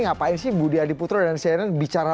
ngapain sih budi adiputro dan cnn bicara